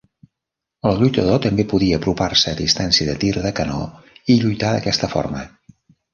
El lluitador també podia apropar-se a distància de tir de canó i lluitar d'aquesta forma.